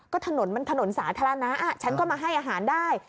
ก็ถนนมันถนนสาธารณะฉันก็มาให้อาหารได้